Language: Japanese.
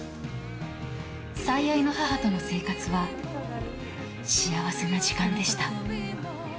最愛の母との生活は幸せな時間でした。